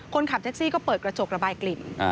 คนขับแท็กซี่ก็เปิดกระจกระบายกลิ่น